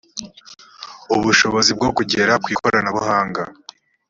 ubushobozi bwo kugera ku ikoranabuhanga